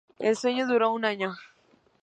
El sueño duró un año.